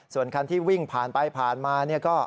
ส่วนคันที่วิ่งผ่านไปผ่านมา